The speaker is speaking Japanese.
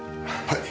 はい。